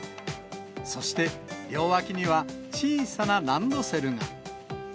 そして両脇には小さなランドセルが。